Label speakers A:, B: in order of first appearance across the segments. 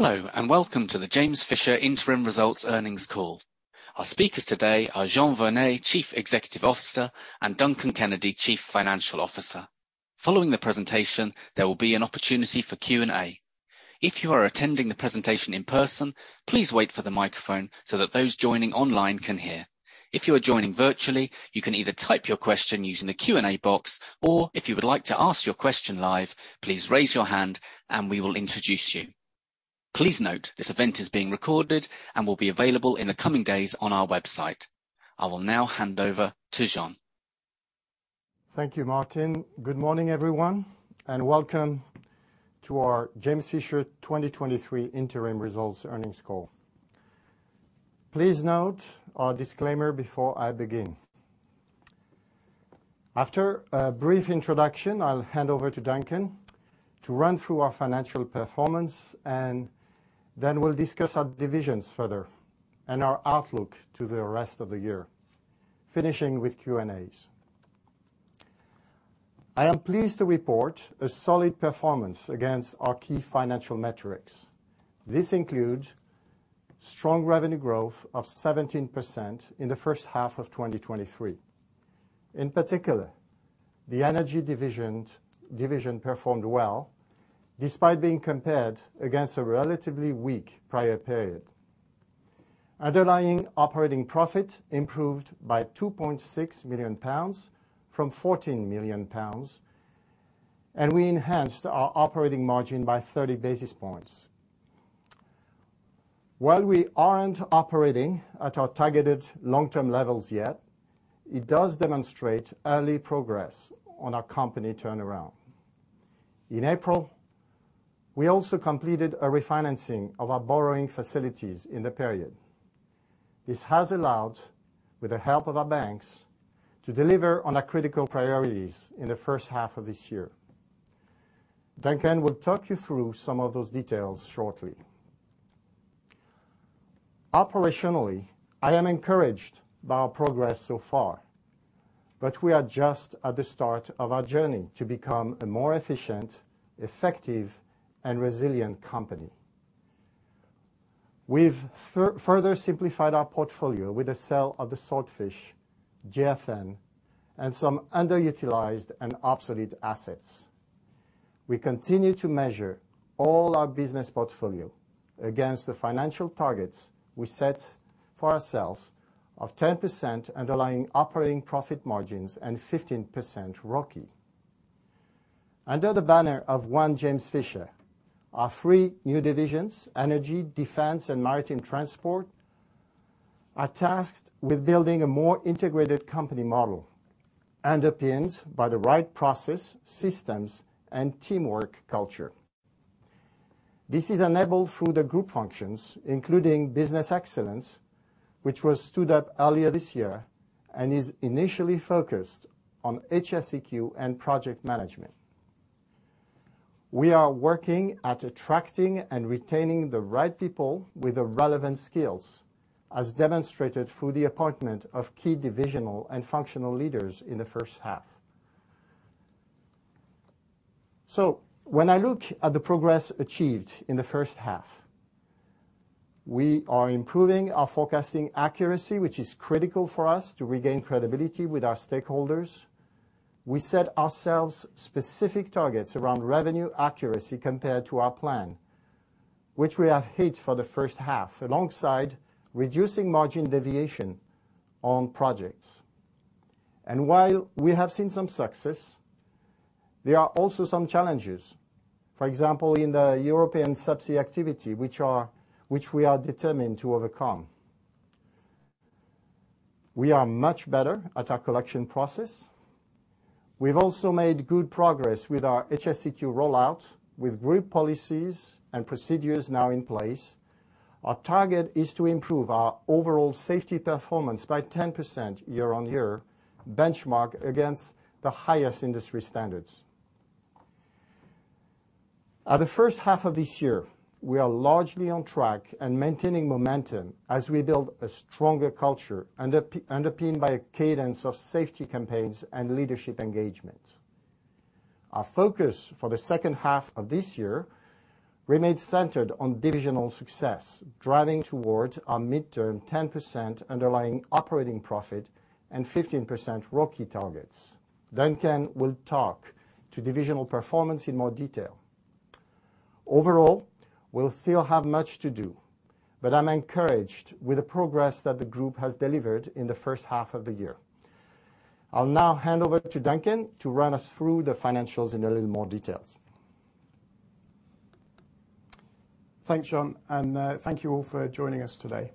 A: Hello, and welcome to the James Fisher Interim Results earnings call. Our speakers today are Jean Vernet, Chief Executive Officer, and Duncan Kennedy, Chief Financial Officer. Following the presentation, there will be an opportunity for Q&A. If you are attending the presentation in person, please wait for the microphone so that those joining online can hear. If you are joining virtually, you can either type your question using the Q&A box, or if you would like to ask your question live, please raise your hand and we will introduce you. Please note, this event is being recorded and will be available in the coming days on our website. I will now hand over to Jean.
B: Thank you, Martin. Good Morning, everyone, and welcome to our James Fisher 2023 interim results earnings call. Please note our disclaimer before I begin. After a brief introduction, I'll hand over to Duncan to run through our financial performance, and then we'll discuss our divisions further and our outlook to the rest of the year, finishing with Q&A. I am pleased to report a solid performance against our key financial metrics. This includes strong revenue growth of 17% in the H1 of 2023. In particular, the energy division performed well, despite being compared against a relatively weak prior period. Underlying operating profit improved by 2.6 million pounds from 14 million pounds, and we enhanced our operating margin by 30 basis points. While we aren't operating at our targeted long-term levels yet, it does demonstrate early progress on our company turnaround. In April, we also completed a refinancing of our borrowing facilities in the period. This has allowed, with the help of our banks, to deliver on our critical priorities in the H1 of this year. Duncan will talk you through some of those details shortly. Operationally, I am encouraged by our progress so far, but we are just at the start of our journey to become a more efficient, effective, and resilient company. We've further simplified our portfolio with the sale of the Swordfish, JFN, and some underutilized and obsolete assets. We continue to measure all our business portfolio against the financial targets we set for ourselves of 10% underlying operating profit margins and 15% ROCE. Under the banner of One James Fisher, our three new divisions, Energy, Defence, and Maritime Transport, are tasked with building a more integrated company model, underpinned by the right process, systems, and teamwork culture. This is enabled through the group functions, including business excellence, which was stood up earlier this year and is initially focused on HSEQ and project management. We are working at attracting and retaining the right people with the relevant skills, as demonstrated through the appointment of key divisional and functional leaders in the H1. So when I look at the progress achieved in the H1, we are improving our forecasting accuracy, which is critical for us to regain credibility with our stakeholders. We set ourselves specific targets around revenue accuracy compared to our plan, which we have hit for the H1, alongside reducing margin deviation on projects. And while we have seen some success, there are also some challenges. For example, in the European subsea activity, which we are determined to overcome. We are much better at our collection process. We've also made good progress with our HSEQ rollout, with group policies and procedures now in place. Our target is to improve our overall safety performance by 10% year-on-year, benchmarked against the highest industry standards. At the H1 of this year, we are largely on track and maintaining momentum as we build a stronger culture, underpinned by a cadence of safety campaigns and leadership engagement. Our focus for the H2 of this year remains centered on divisional success, driving towards our midterm 10% underlying operating profit and 15% ROCE targets. Duncan will talk to divisional performance in more detail. Overall, we still have much to do, but I'm encouraged with the progress that the group has delivered in the H1 of the year. I'll now hand over to Duncan to run us through the financials in a little more detail.
C: Thanks, Jean, and thank you all for joining us today.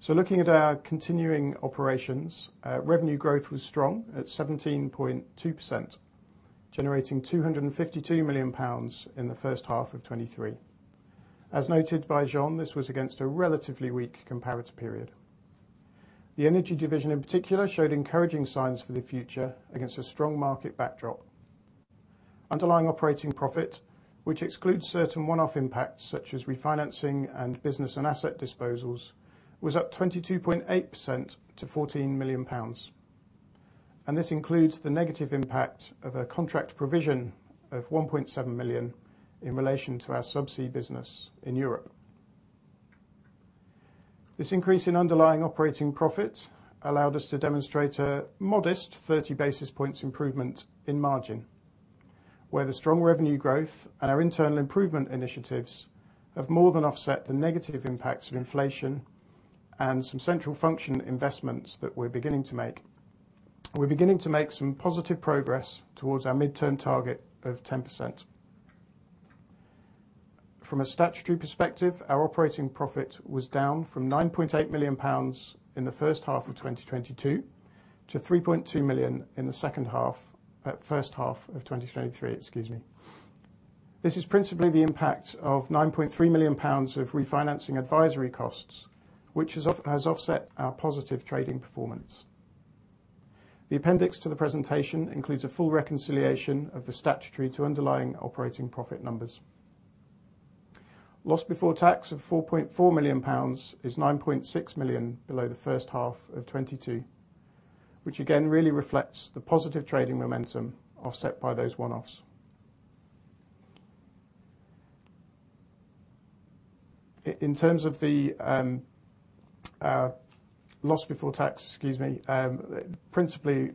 C: So looking at our continuing operations, revenue growth was strong at 17.2%, generating 252 million pounds in the H1 of 2023. As noted by Jean, this was against a relatively weak comparative period. The energy division in particular showed encouraging signs for the future against a strong market backdrop. Underlying operating profit, which excludes certain one-off impacts, such as refinancing and business and asset disposals, was up 22.8% to 14 million pounds... and this includes the negative impact of a contract provision of 1.7 million in relation to our subsea business in Europe. This increase in underlying operating profit allowed us to demonstrate a modest 30 basis points improvement in margin, where the strong revenue growth and our internal improvement initiatives have more than offset the negative impacts of inflation and some central function investments that we're beginning to make. We're beginning to make some positive progress towards our midterm target of 10%. From a statutory perspective, our operating profit was down from 9.8 million pounds in the H1 of 2022, to 3.2 million in the H1 of 2023, excuse me. This is principally the impact of 9.3 million pounds of refinancing advisory costs, which has offset our positive trading performance. The appendix to the presentation includes a full reconciliation of the statutory to underlying operating profit numbers. Loss before tax of 4.4 million pounds is 9.6 million below the H1 of 2022, which again really reflects the positive trading momentum offset by those one-offs. In terms of the loss before tax, excuse me, principally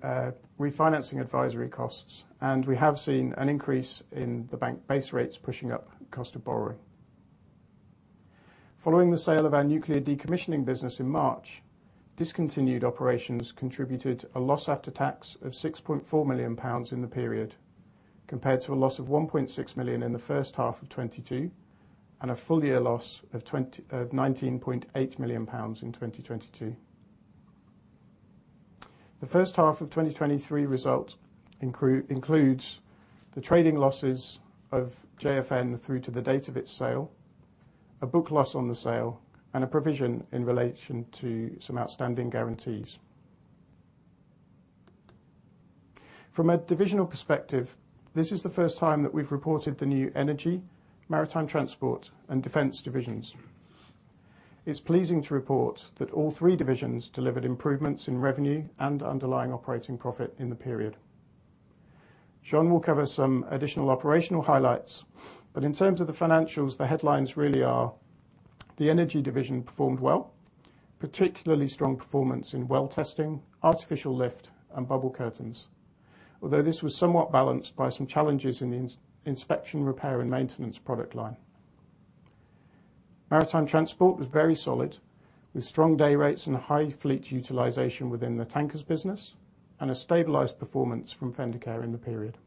C: refinancing advisory costs, and we have seen an increase in the bank base rates pushing up cost of borrowing. Following the sale of our nuclear decommissioning business in March, discontinued operations contributed a loss after tax of 6.4 million pounds in the period, compared to a loss of 1.6 million in the H1 of 2022, and a full year loss of 19.8 million pounds in 2022. The H1 of 2023 results includes the trading losses of JFN through to the date of its sale, a book loss on the sale, and a provision in relation to some outstanding guarantees. From a divisional perspective, this is the first time that we've reported the new energy, maritime transport, and defense divisions. It's pleasing to report that all three divisions delivered improvements in revenue and underlying operating profit in the period. Sean will cover some additional operational highlights, but in terms of the financials, the headlines really are: the energy division performed well, particularly strong performance in well testing, artificial lift, and bubble curtains. Although this was somewhat balanced by some challenges in the inspection, repair, and maintenance product line. Maritime transport was very solid, with strong day rates and high fleet utilization within the tankers business, and a stabilized performance from Fendercare in the period.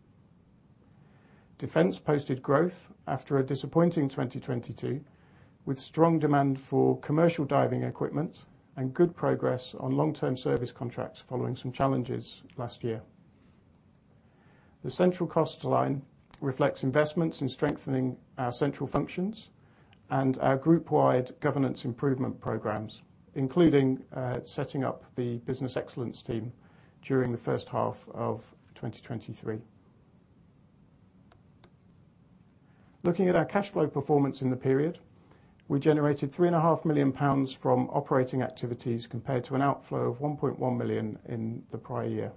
C: Defence posted growth after a disappointing 2022, with strong demand for commercial diving equipment and good progress on long-term service contracts following some challenges last year. The central cost line reflects investments in strengthening our central functions and our group-wide governance improvement programs, including, setting up the business excellence team during the H1 of 2023. Looking at our cash flow performance in the period, we generated 3.5 million pounds from operating activities, compared to an outflow of 1.1 million in the prior year.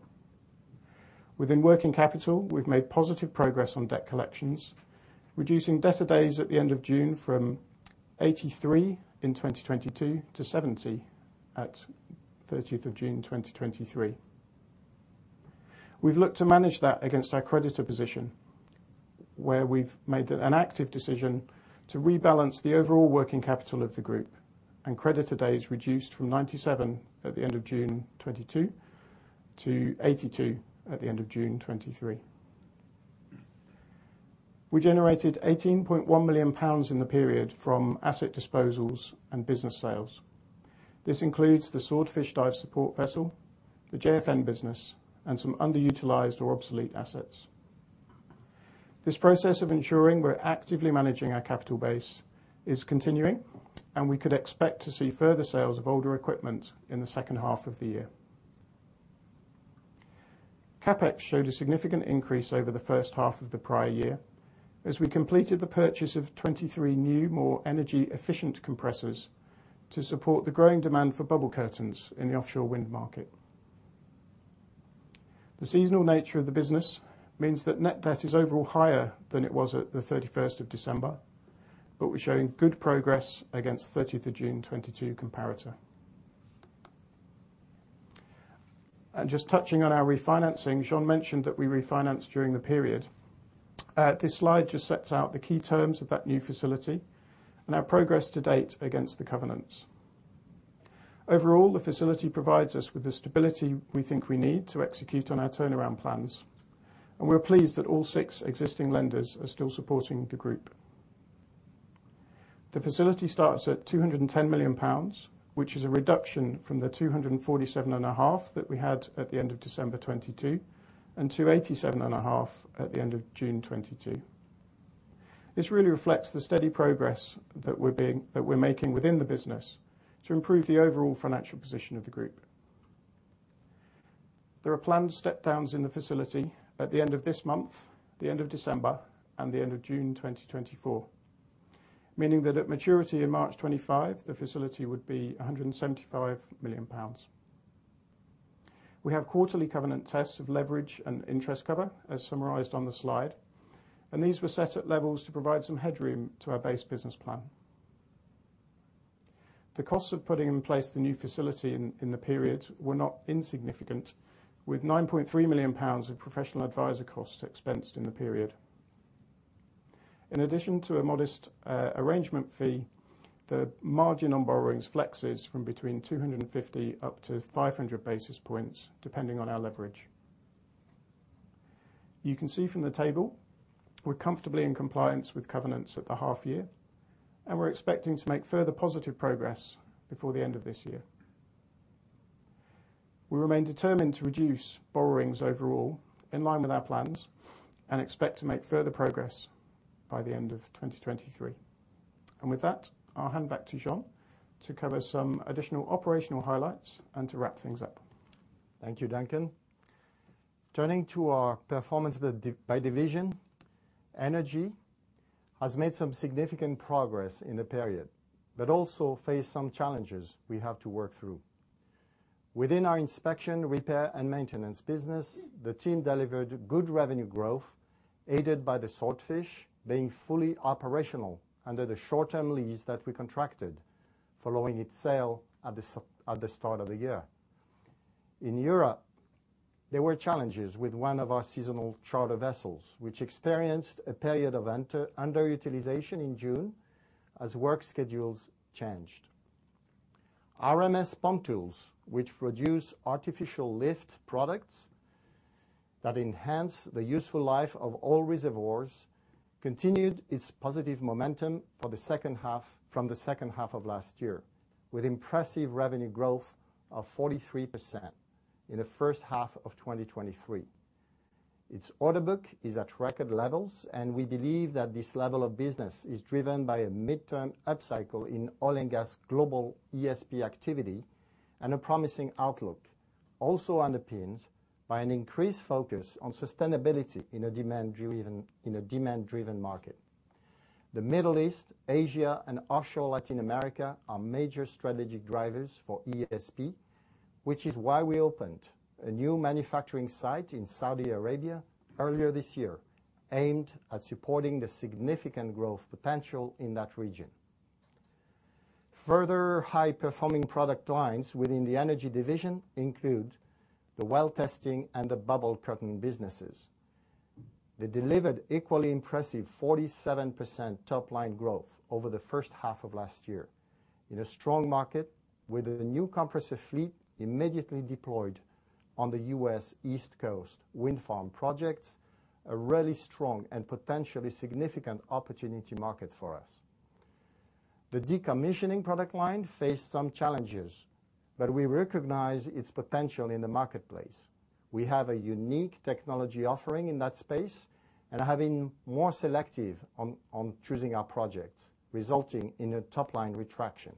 C: Within working capital, we've made positive progress on debt collections, reducing debtor days at the end of June from 83 in 2022 to 70 at thirtieth of June, 2023. We've looked to manage that against our creditor position, where we've made an active decision to rebalance the overall working capital of the group, and creditor days reduced from 97 at the end of June 2022, to 82 at the end of June 2023. We generated 18.1 million pounds in the period from asset disposals and business sales. This includes the Swordfish dive support vessel, the JFN business, and some underutilized or obsolete assets. This process of ensuring we're actively managing our capital base is continuing, and we could expect to see further sales of older equipment in the H2 of the year. CapEx showed a significant increase over the H1 of the prior year, as we completed the purchase of 23 new, more energy efficient compressors to support the growing demand for bubble curtains in the offshore wind market. The seasonal nature of the business means that net debt is overall higher than it was at the 31st of December, but we're showing good progress against 30th of June 2022 comparator. Just touching on our refinancing, Sean mentioned that we refinanced during the period. This slide just sets out the key terms of that new facility and our progress to date against the covenants. Overall, the facility provides us with the stability we think we need to execute on our turnaround plans, and we're pleased that all six existing lenders are still supporting the group. The facility starts at 210 million pounds, which is a reduction from the 247.5 million that we had at the end of December 2022, and 287.5 million at the end of June 2022. This really reflects the steady progress that we're making within the business, to improve the overall financial position of the group. There are planned step downs in the facility at the end of this month, the end of December, and the end of June 2024. Meaning that at maturity in March 2025, the facility would be 175 million pounds. We have quarterly covenant tests of leverage and interest cover, as summarized on the slide, and these were set at levels to provide some headroom to our base business plan. The costs of putting in place the new facility in the period were not insignificant, with 9.3 million pounds of professional advisor costs expensed in the period. In addition to a modest arrangement fee, the margin on borrowings flexes from between 250 up to 500 basis points, depending on our leverage. You can see from the table, we're comfortably in compliance with covenants at the half year, and we're expecting to make further positive progress before the end of this year. We remain determined to reduce borrowings overall, in line with our plans, and expect to make further progress by the end of 2023. And with that, I'll hand back to Jean to cover some additional operational highlights and to wrap things up.
B: Thank you, Duncan. Turning to our performance by by division. Energy has made some significant progress in the period, but also faced some challenges we have to work through. Within our inspection, repair, and maintenance business, the team delivered good revenue growth, aided by the Swordfish being fully operational under the short-term lease that we contracted, following its sale at the at the start of the year. In Europe, there were challenges with one of our seasonal charter vessels, which experienced a period of underutilization in June as work schedules changed. RMS Pump Tools, which produce artificial lift products that enhance the useful life of oil reservoirs, continued its positive momentum from the H2 of last year, with impressive revenue growth of 43% in the H1 of 2023. Its order book is at record levels, and we believe that this level of business is driven by a midterm upcycle in oil and gas global ESP activity, and a promising outlook, also underpinned by an increased focus on sustainability in a demand-driven, in a demand-driven market. The Middle East, Asia, and offshore Latin America are major strategic drivers for ESP, which is why we opened a new manufacturing site in Saudi Arabia earlier this year, aimed at supporting the significant growth potential in that region. Further high-performing product lines within the energy division include the Well Testing and the Bubble Curtain businesses. They delivered equally impressive 47% top-line growth over the H1 of last year in a strong market with a new compressor fleet immediately deployed on the U.S. East Coast wind farm projects, a really strong and potentially significant opportunity market for us. The decommissioning product line faced some challenges, but we recognize its potential in the marketplace. We have a unique technology offering in that space and are being more selective on choosing our projects, resulting in a top-line retraction.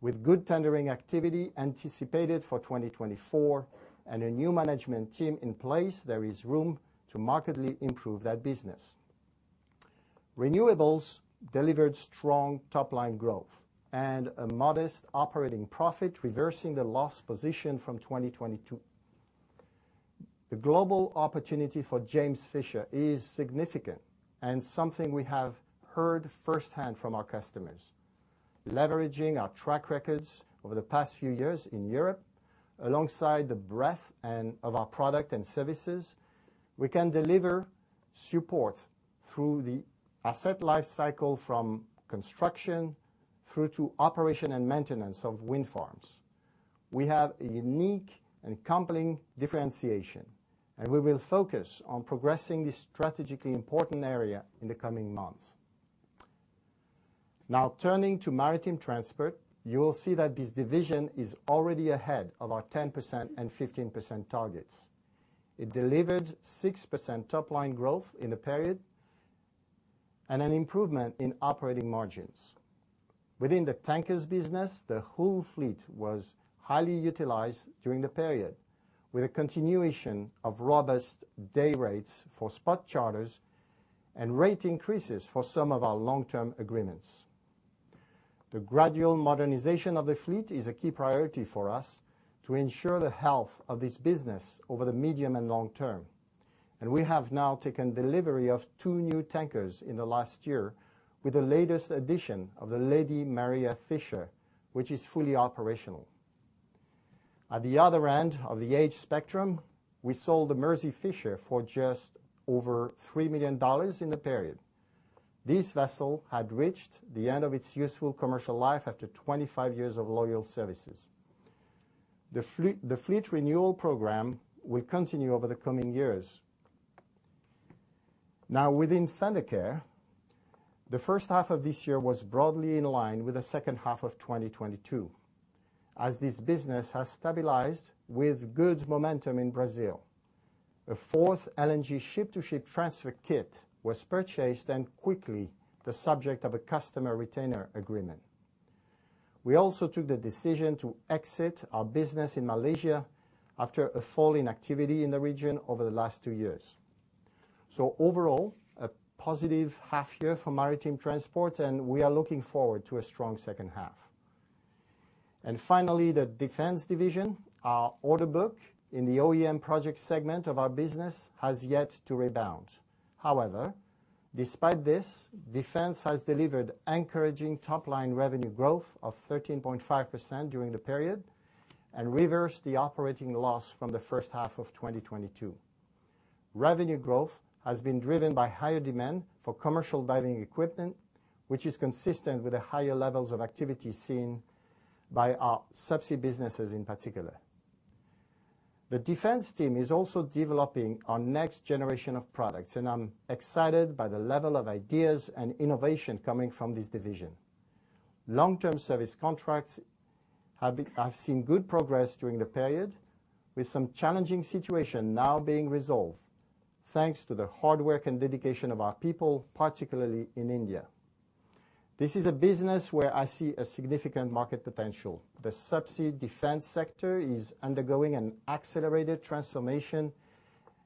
B: With good tendering activity anticipated for 2024 and a new management team in place, there is room to markedly improve that business. Renewables delivered strong top-line growth and a modest operating profit, reversing the loss position from 2022. The global opportunity for James Fisher is significant and something we have heard firsthand from our customers. Leveraging our track records over the past few years in Europe, alongside the breadth of our product and services, we can deliver support through the asset life cycle from construction through to operation and maintenance of wind farms. We have a unique and compelling differentiation, and we will focus on progressing this strategically important area in the coming months. Now, turning to maritime transport, you will see that this division is already ahead of our 10% and 15% targets. It delivered 6% top-line growth in the period and an improvement in operating margins. Within the tankers business, the whole fleet was highly utilized during the period, with a continuation of robust day rates for spot charters and rate increases for some of our long-term agreements. The gradual modernization of the fleet is a key priority for us to ensure the health of this business over the medium and long term, and we have now taken delivery of 2 new tankers in the last year, with the latest addition of the Lady Maria Fisher, which is fully operational. At the other end of the age spectrum, we sold the Mersey Fisher for just over $3 million in the period. This vessel had reached the end of its useful commercial life after 25 years of loyal services. The fleet renewal program will continue over the coming years. Now, within Fendercare, the H1 of this year was broadly in line with the H2 of 2022, as this business has stabilized with good momentum in Brazil. A fourth LNG ship-to-ship transfer kit was purchased and quickly the subject of a customer retainer agreement. We also took the decision to exit our business in Malaysia after a fall in activity in the region over the last two years. Overall, a positive half year for Maritime Transport, and we are looking forward to a strong H2. Finally, the Defence Division. Our order book in the OEM project segment of our business has yet to rebound. However, despite this, Defence has delivered encouraging top-line revenue growth of 13.5% during the period and reversed the operating loss from the H1 of 2022. Revenue growth has been driven by higher demand for commercial diving equipment, which is consistent with the higher levels of activity seen by our subsea businesses, in particular. The Defence team is also developing our next generation of products, and I'm excited by the level of ideas and innovation coming from this division. Long-term service contracts have seen good progress during the period, with some challenging situation now being resolved, thanks to the hard work and dedication of our people, particularly in India. This is a business where I see a significant market potential. The Subsea Defense Sector is undergoing an accelerated transformation,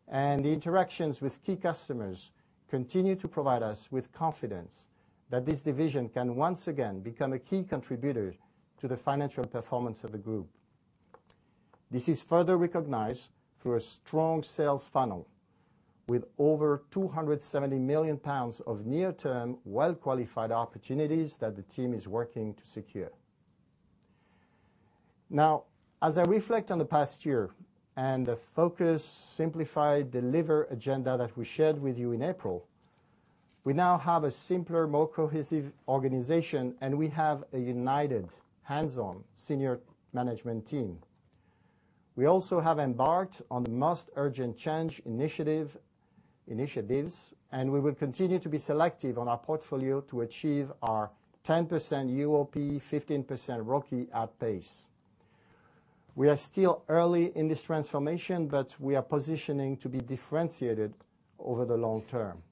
B: and the interactions with key customers continue to provide us with confidence that this division can once again become a key contributor to the financial performance of the group. This is further recognized through a strong sales funnel, with over 270 million pounds of near-term, well-qualified opportunities that the team is working to secure. Now, as I reflect on the past year and the Focus, Simplify, Deliver agenda that we shared with you in April, we now have a simpler, more cohesive organization, and we have a united, hands-on senior management team. We also have embarked on the most urgent change initiative, initiatives, and we will continue to be selective on our portfolio to achieve our 10% UOP, 15% ROCE at pace. We are still early in this transformation, but we are positioning to be differentiated over the long term.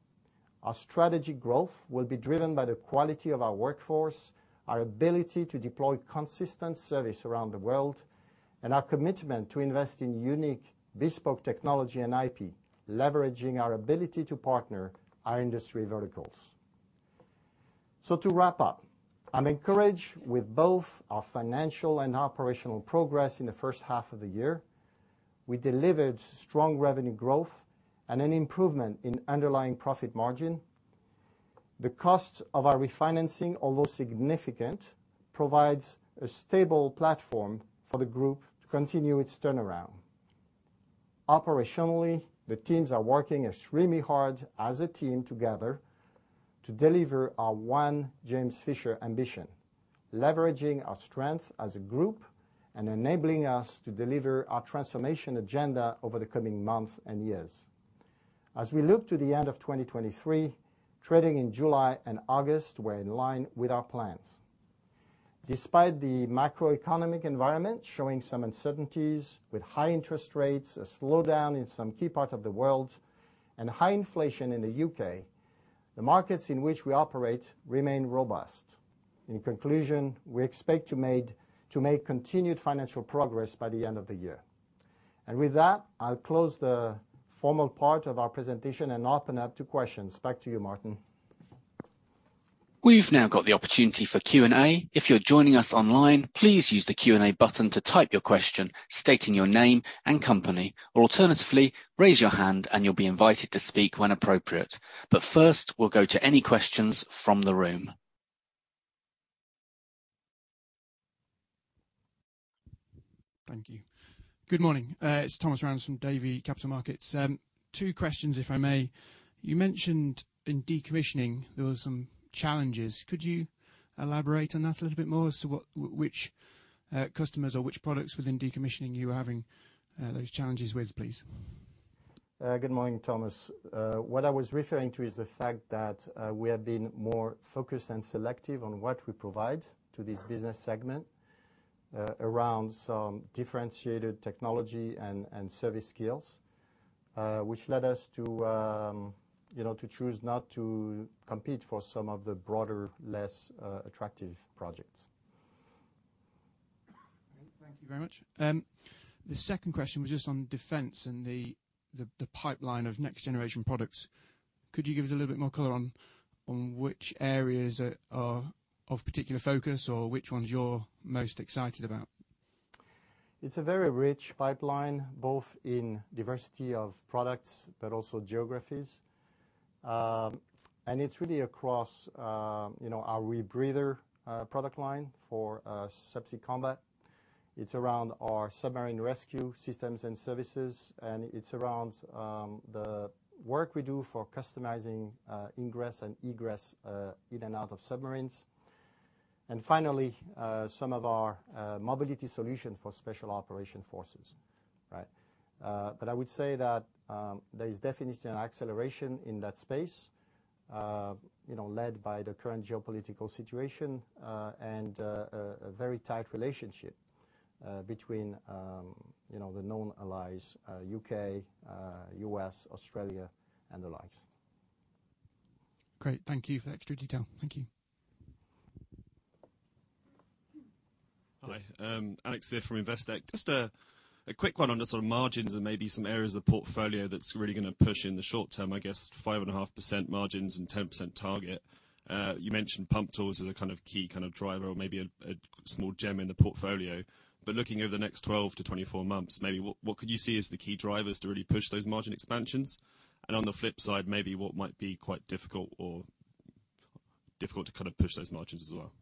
B: Our strategy growth will be driven by the quality of our workforce, our ability to deploy consistent service around the world, and our commitment to invest in unique bespoke technology and IP, leveraging our ability to partner our industry verticals. So to wrap up, I'm encouraged with both our financial and operational progress in the H1 of the year. We delivered strong revenue growth and an improvement in underlying profit margin. The cost of our refinancing, although significant, provides a stable platform for the group to continue its turnaround. Operationally, the teams are working extremely hard as a team together to deliver our One James Fisher ambition, leveraging our strength as a group and enabling us to deliver our transformation agenda over the coming months and years. As we look to the end of 2023, trading in July and August were in line with our plans. Despite the Macroeconomic Environment showing some uncertainties with high interest rates, a slowdown in some key parts of the world, and high inflation in the U.K., The markets in which we operate remain robust. In conclusion, we expect to make continued financial progress by the end of the year. And with that, I'll close the formal part of our presentation and open up to questions. Back to you, Martin.
A: We've now got the opportunity for Q&A. If you're joining us online, please use the Q&A button to type your question, stating your name and company, or alternatively, raise your hand and you'll be invited to speak when appropriate. But first, we'll go to any questions from the room.
D: Thank you. Good morning. It's Thomas Rands from Davy Capital Markets. Two questions, if I may. You mentioned in decommissioning, there were some challenges. Could you elaborate on that a little bit more? So, which customers or which products within decommissioning you are having those challenges with, please?
B: Good morning, Thomas. What I was referring to is the fact that we have been more focused and selective on what we provide to this business segment around some differentiated technology and service skills, which led us to, you know, to choose not to compete for some of the broader, less attractive projects.
D: Thank you very much. The second question was just on defense and the pipeline of next-generation products. Could you give us a little bit more color on which areas are of particular focus or which ones you're most excited about?
B: It's a very rich pipeline, both in diversity of products, but also geographies. And it's really across, you know, our rebreather, product line for, subsea combat. It's around our submarine rescue systems and services, and it's around, the work we do for customizing, ingress and egress, in and out of submarines. And finally, some of our, mobility solution for special operation forces. Right? But I would say that, there is definitely an acceleration in that space, you know, led by the current geopolitical situation, and, a very tight relationship, between, you know, the known allies, U.K., U.S., Australia, and the likes....
D: Great. Thank you for the extra detail. Thank you.
E: Hi, Alex Smith from Investec. Just a quick one on the sort of margins and maybe some areas of the portfolio that's really gonna push in the short term, I guess, 5.5% margins and 10% target. You mentioned pump tools as a kind of key, kind of, driver or maybe a small gem in the portfolio. But looking over the next 12 to 24 months, maybe, what could you see as the key drivers to really push those margin expansions? And on the flip side, maybe what might be quite difficult or difficult to kind of push those margins as well?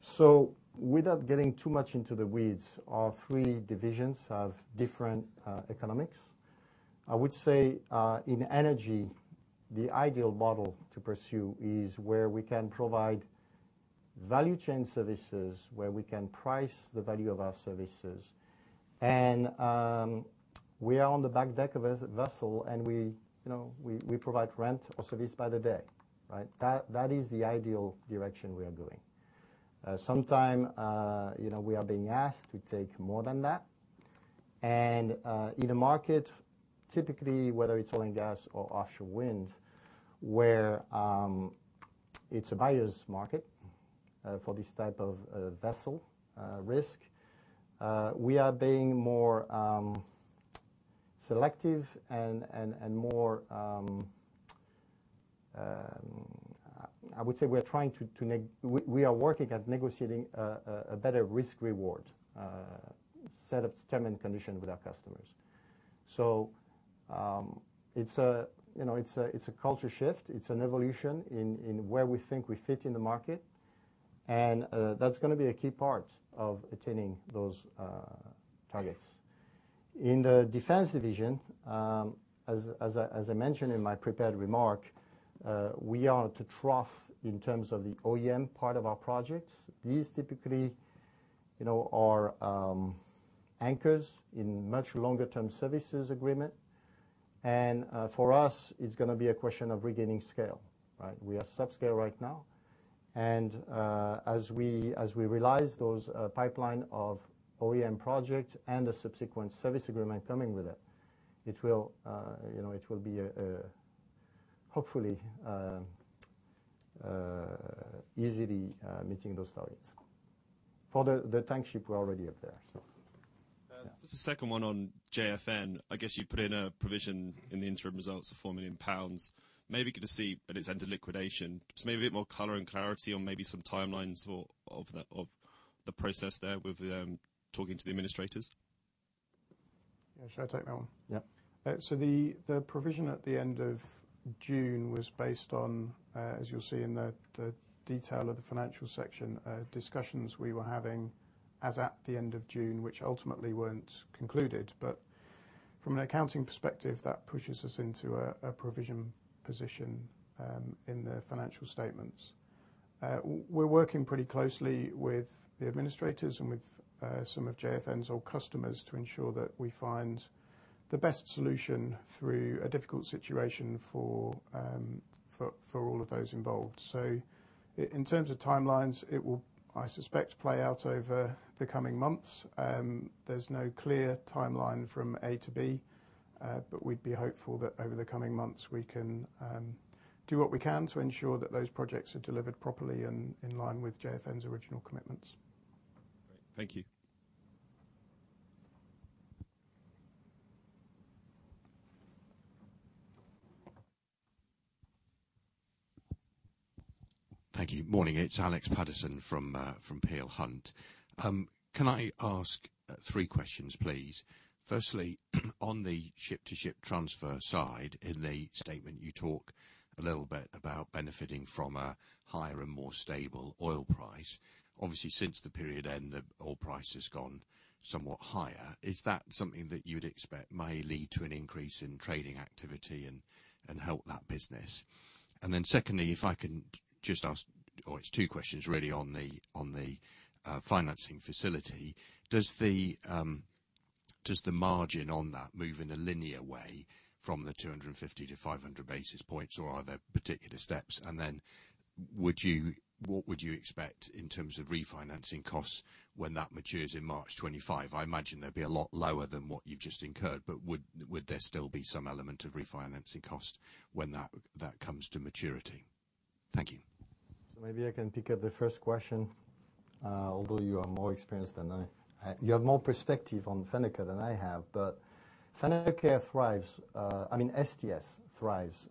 B: So without getting too much into the weeds, our three divisions have different economics. I would say in energy, the ideal model to pursue is where we can provide value chain services, where we can price the value of our services. And we are on the back deck of a vessel, and we, you know, provide rent or service by the day, right? That is the ideal direction we are going. Sometimes you know, we are being asked to take more than that. And in a market, typically, whether it's oil and gas or offshore wind, where it's a buyer's market for this type of vessel risk, we are being more selective and more... I would say we are working at negotiating a better risk-reward set of terms and conditions with our customers. So, you know, it's a culture shift. It's an evolution in where we think we fit in the market, and that's gonna be a key part of attaining those targets. In the defense division, as I mentioned in my prepared remark, we are at a trough in terms of the OEM part of our projects. These typically, you know, are anchors in much longer-term services agreement, and for us, it's gonna be a question of regaining scale, right? We are subscale right now, and as we realize those pipeline of OEM projects and the subsequent service agreement coming with it, it will, you know, it will be hopefully easily meeting those targets. For the tank ship, we're already up there, so.
E: Just a second one on JFN. I guess you put in a provision in the interim results of 4 million pounds, maybe could have seen, but it's under liquidation. Just maybe a bit more color and clarity on maybe some timelines or of the, of the process there with, talking to the administrators.
C: Yeah. Should I take that one?
B: Yeah.
C: So the provision at the end of June was based on, as you'll see in the detail of the financial section, discussions we were having as at the end of June, which ultimately weren't concluded. But from an accounting perspective, that pushes us into a provision position in the financial statements. We're working pretty closely with the administrators and with some of JFN's old customers to ensure that we find the best solution through a difficult situation for all of those involved. So in terms of timelines, it will, I suspect, play out over the coming months. There's no clear timeline from A to B, but we'd be hopeful that over the coming months, we can do what we can to ensure that those projects are delivered properly and in line with JFN's original commitments.
E: Great. Thank you.
F: Thank you. Morning, it's Alex Paterson from Peel Hunt. Can I ask three questions, please? Firstly, on the ship to ship transfer side, in the statement, you talk a little bit about benefiting from a higher and more stable oil price. Obviously, since the period end, the oil price has gone somewhat higher. Is that something that you'd expect may lead to an increase in trading activity and help that business? And then secondly, if I can just ask, oh, it's two questions really on the financing facility. Does the margin on that move in a linear way from 250 to 500 basis points, or are there particular steps? And then what would you expect in terms of refinancing costs when that matures in March 2025? I imagine they'd be a lot lower than what you've just incurred, but would there still be some element of refinancing cost when that comes to maturity? Thank you.
B: Maybe I can pick up the first question. Although you are more experienced than I, you have more perspective on Fendercare than I have, but Fendercare thrives, I mean, STS thrives,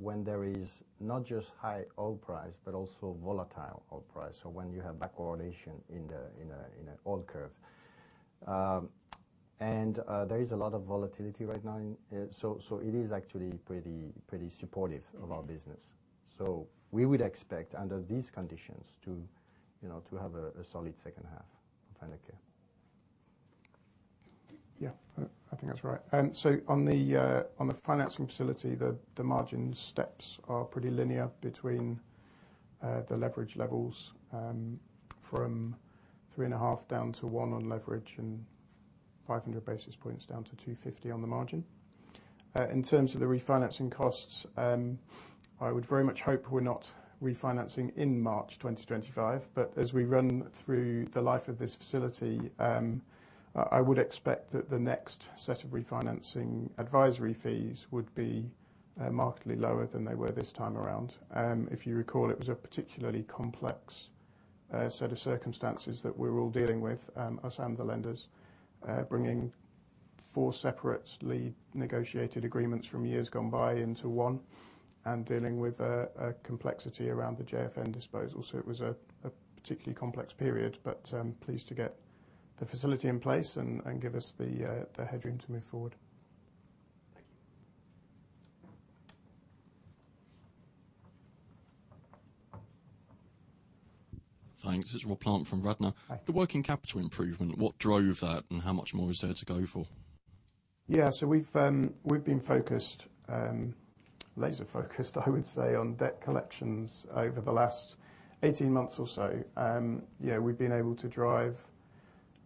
B: when there is not just high oil price, but also volatile oil price, so when you have back correlation in a, in a, in an oil curve. I mean, there is a lot of volatility right now in... it is actually pretty, pretty supportive of our business. We would expect, under these conditions, to, you know, to have a, a solid H2 of Fendercare.
C: Yeah, I think that's right. So on the financing facility, the margin steps are pretty linear between the leverage levels from 3.5 down to 1 on leverage and 500 basis points down to 250 on the margin. In terms of the refinancing costs, I would very much hope we're not refinancing in March 2025, but as we run through the life of this facility, I would expect that the next set of Refinancing Advisory Fees would be markedly lower than they were this time around. If you recall, it was a particularly complex set of circumstances that we're all dealing with, us and the lenders, bringing four separate lead negotiated agreements from years gone by into one, and dealing with a complexity around the JFN disposal. So it was a particularly complex period, but pleased to get the facility in place and give us the headroom to move forward.
B: Thank you.
G: Thanks. This is Rob Plant from Radnor.
C: Hi.
G: The working capital improvement, what drove that, and how much more is there to go for?
C: Yeah, so we've, we've been focused, laser-focused, I would say, on debt collections over the last 18 months or so. Yeah, we've been able to drive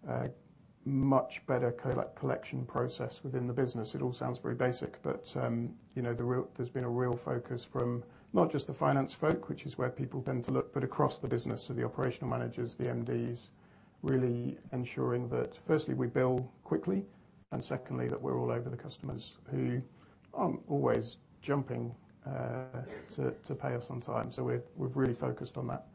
C: a much better collection process within the business. It all sounds very basic, but, you know, the real-- there's been a real focus from not just the finance folk, which is where people tend to look, but across the business, so the operational managers, the MDs, really ensuring that firstly, we bill quickly, and secondly, that we're all over the customers who aren't always jumping, to, to pay us on time. So we've, we've really focused on that.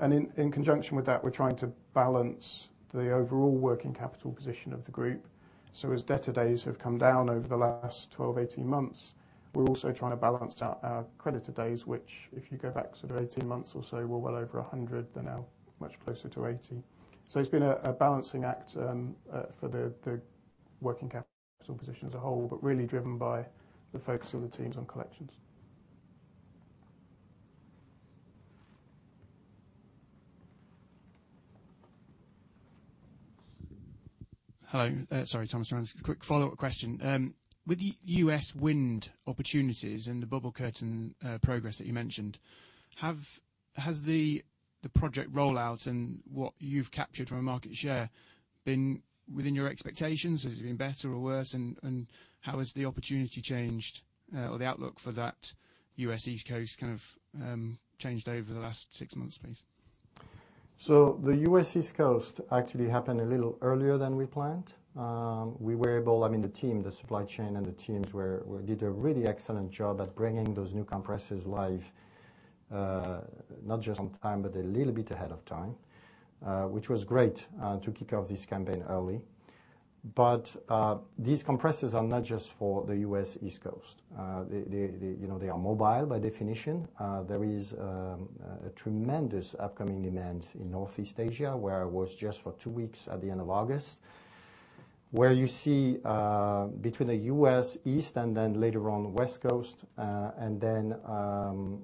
C: And in, in conjunction with that, we're trying to balance the overall working capital position of the group. So as Debtor days have come down over the last 12, 18 months, we're also trying to balance out our creditor days, which if you go back sort of 18 months or so, were well over a 100. They're now much closer to 80. So it's been a balancing act for the working capital position as a whole, but really driven by the focus of the teams on collections.
D: Hello, sorry, Thomas Rands. A quick follow-up question. With the US Wind opportunities and the Bubble Curtain progress that you mentioned, has the project rollout and what you've captured from a market share been within your expectations? Has it been better or worse, and how has the opportunity changed or the outlook for that U.S. East Coast kind of changed over the last six months, please?
B: So the U.S. East Coast actually happened a little earlier than we planned. I mean, the team, the supply chain, and the teams did a really excellent job at bringing those new compressors live, not just on time, but a little bit ahead of time, which was great, to kick off this campaign early. But these compressors are not just for the U.S. East Coast. They, you know, are mobile, by definition. There is a tremendous upcoming demand in Northeast Asia, where I was just for two weeks at the end of August, where you see between the U.S. East and then later on, West Coast, and then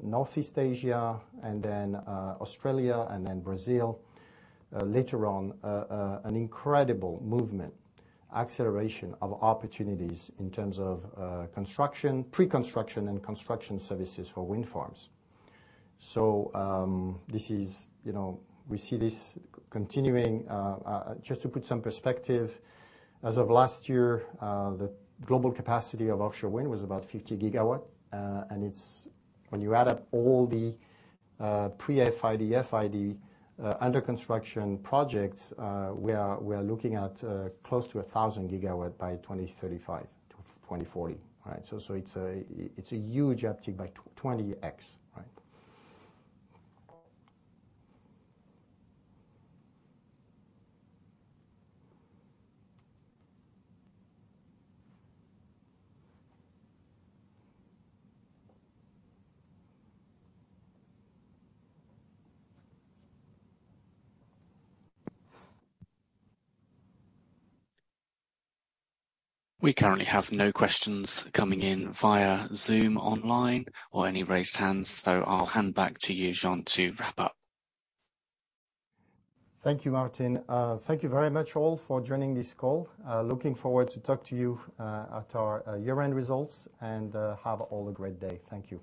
B: Northeast Asia, and then Australia, and then Brazil later on an incredible movement, acceleration of opportunities in terms of construction, pre-construction and construction services for wind farms. So this is, you know, we see this continuing. Just to put some perspective, as of last year the global capacity of offshore wind was about 50 gigawatts. And it's when you add up all the pre-FID, FID under construction projects, we are looking at close to 1,000 gigawatts by 2035 to 2040. Right? So, it's a huge uptick by 20x, right?
A: We currently have no questions coming in via Zoom Online, or any raised hands, so I'll hand back to you, Jean, to wrap up.
B: Thank you, Martin. Thank you very much all for joining this call. Looking forward to talk to you at our year-end results, and have all a great day. Thank you.